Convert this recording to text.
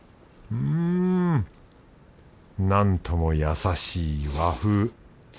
うんなんとも優しい和風。